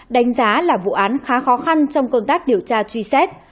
đánh giá là vụ án khá khó khăn trong công tác điều tra truy xét